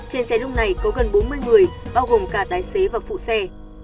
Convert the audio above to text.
trên xe lúc này có gần bốn mươi người bao gồm cả tài xế và phụ xe